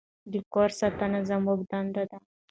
د کور ساتنه زموږ دنده ده.